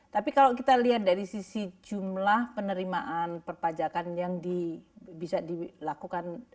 tapi kalau kita lihat dari sisi jumlah penerimaan perpajakan yang bisa dilakukan